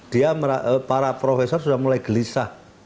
dia para profesor sudah mulai gelisah